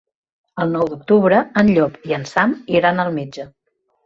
El nou d'octubre en Llop i en Sam iran al metge.